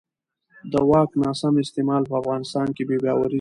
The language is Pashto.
د واک ناسم استعمال په افغانستان کې بې باورۍ زیاتوي